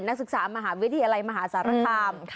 นักศึกษามหาวิทยาลัยมหาสารคาม